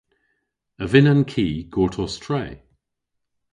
A vynn an ki gortos tre?